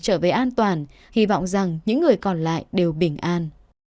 trở về an toàn hy vọng rằng những người còn lại đều bình an